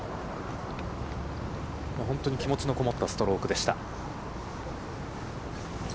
本当に気持ちのこもったストロークでした。